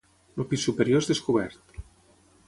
El pis superior és descobert.